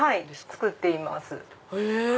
作っています。